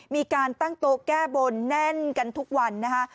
มีการตั้งโต๊ะแก้บนแน่นกันทุกวันนะคะ